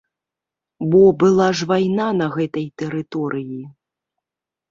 Бо была ж вайна на гэтай тэрыторыі.